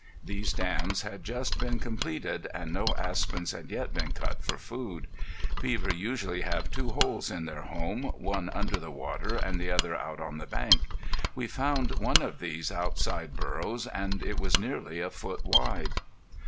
These dams had just been completed and no aspens had yet been cut for food. Beaver usually have two holes to their home, one under the water, and the other out on the bank. We found one of these outside burrows and it was nearly a foot wide.